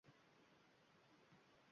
yo o‘zimizdagi sharoitga nazar solamiz